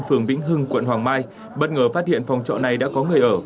phường vĩnh hưng quận hoàng mai bất ngờ phát hiện phòng trọ này đã có người ở